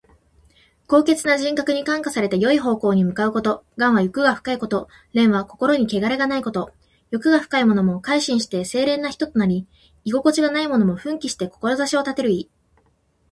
高潔な人格に感化されて、よい方向に向かうこと。「頑」は欲が深いこと。「廉」は心にけがれがないこと。欲が深いものも改心して清廉な人となり、意気地がないものも奮起して志を立てる意。